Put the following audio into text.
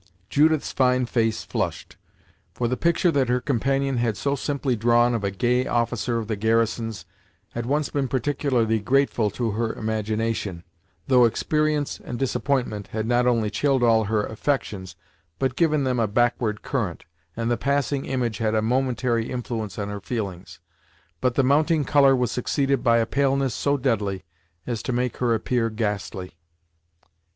Judith's fine face flushed, for the picture that her companion had so simply drawn of a gay officer of the garrisons had once been particularly grateful to her imagination, though experience and disappointment had not only chilled all her affections, but given them a backward current, and the passing image had a momentary influence on her feelings; but the mounting colour was succeeded by a paleness so deadly, as to make her appear ghastly.